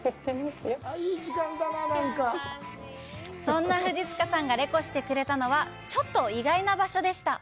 そんな藤塚さんがレコしてくれたのは、ちょっと意外な場所でした！